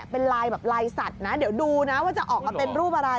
เนี้ยเดี๋ยวดูนะว่าจะออกมาเป็นรูปอะไร